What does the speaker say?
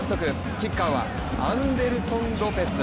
キッカーはアンデルソン・ロペス。